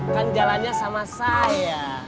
kan jalannya sama saya